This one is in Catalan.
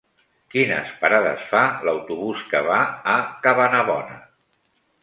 Quines parades fa l'autobús que va a Cabanabona?